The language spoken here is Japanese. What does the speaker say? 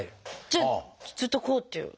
じゃあずっとこうっていう。